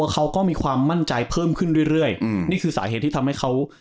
เขาก็มีความมั่นใจเพิ่มขึ้นเรื่อยเรื่อยอืมนี่คือสาเหตุที่ทำให้เขา